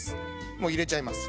もう入れちゃいます